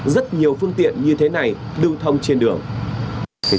rất nhiều phương tiện như thế này lưu thông trên đường